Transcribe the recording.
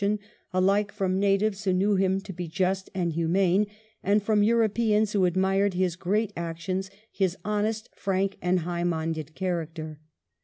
in alike from natives who knew him to be just and humane, and from Europeans who admired his great actions, his honest, frank, and high minded character.